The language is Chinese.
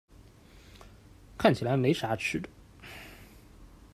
看起来没啥吃的